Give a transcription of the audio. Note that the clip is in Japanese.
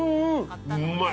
うまい！